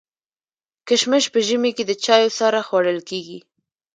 کشمش په ژمي کي د چايو سره خوړل کيږي.